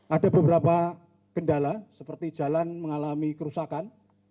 ada beberapa kendala seperti jalan mengalami kerusakan